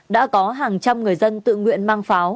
đã có hàng trăm người dân tự nguyện mang pháo